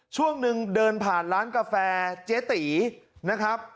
ช่วงหนึ่งเดินผ่านร้านกาแฟเจ๊ตีนะครับ